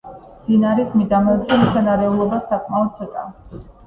მდინარის მიდამოებში მცენარეულობა საკმაოდ ცოტაა.